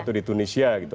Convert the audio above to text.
atau di tunisia gitu